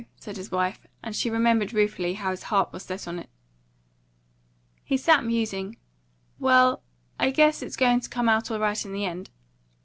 said his wife; and she remembered ruefully how his heart was set on it. He sat musing. "Well, I guess it's going to come out all right in the end.